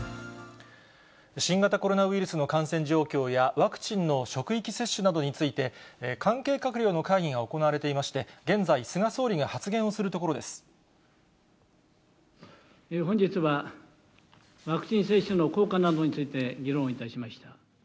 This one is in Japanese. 新型コロナウイルスの感染状況やワクチンの職域接種などについて、関係閣僚の会議が行われていまして、現在、本日は、ワクチン接種の効果などについて議論をいたしました。